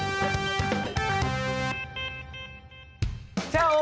チャオ！